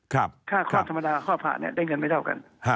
ค่าคลอดธรรมดาคลอดผ่านเนี่ยได้เงินไม่เท่ากัน